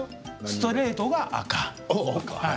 ストレートは赤。